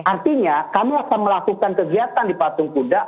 artinya kamu akan melakukan kegiatan di patung kuda